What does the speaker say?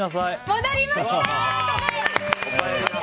戻りました！